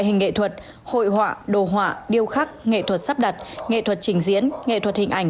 nghệ thuật hội họa đồ họa điêu khắc nghệ thuật sắp đặt nghệ thuật trình diễn nghệ thuật hình ảnh